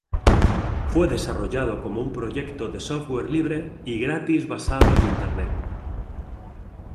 Fue desarrollado como un proyecto de software libre y gratis basado en internet.